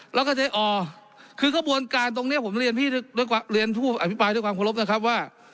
แล้วก็เจ๊อ๋อคือกระบวนการตรงนี้ผมเรียนผู้อภิปรายด้วยความเคารพนะครับว่า